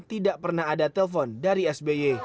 tidak pernah ada telepon dari sbi